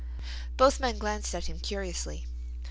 Both men glanced at him curiously.